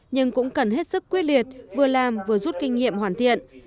nhưng cũng cần hết sức quyết liệt vừa làm vừa rút kinh nghiệm hoàn thiện